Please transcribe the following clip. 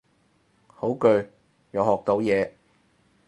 好句，又學到嘢